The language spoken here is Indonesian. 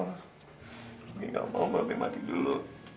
mbak be gak mau mbak be mati dulu